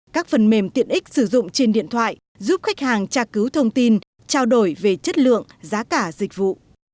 các phần mềm tiện ích sử dụng trên điện thoại giúp khách hàng tra cứu thông tin trao đổi về chất lượng giá cả dịch vụ